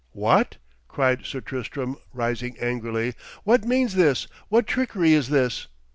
'What?' cried Sir Tristram, rising angrily. 'What means this? What trickery is this?'